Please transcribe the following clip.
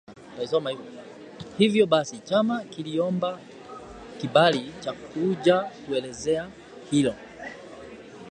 hivyo basi chama kiliomba kibali cha kuja kuelezea hilo